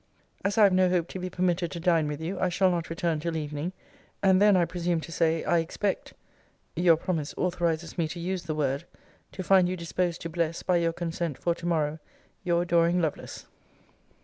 As I have no hope to be permitted to dine with you, I shall not return till evening: and then, I presume to say, I expect [your promise authorizes me to use the word] to find you disposed to bless, by your consent for to morrow, Your adoring LOVELACE.